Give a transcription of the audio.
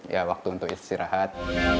ya waktu untuk istirahat